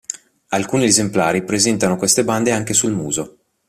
Alcuni esemplari presentano queste bande anche sul muso.